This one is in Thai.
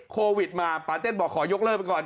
โควิดมาปาเต้นบอกขอยกเลิกไปก่อน